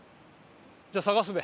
じゃあ探すべ。